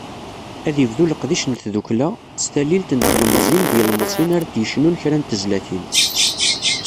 Ad ibdu leqdic n tddukkla, s talilt n telmeẓyin d yilmeẓyen ara d-yecnun kra n tezlatin.